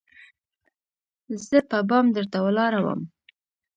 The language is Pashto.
زه په بام درته ولاړه وم